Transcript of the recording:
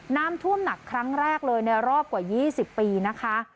น้ำท่วมหนักครั้งแรกเลยในรอบกว่า๒๐ปีนะคะ